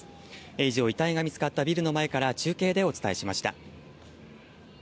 以上、遺体が見つかったビルの前から中継でお伝えしました。